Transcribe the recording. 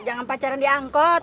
jangan pacaran diangkut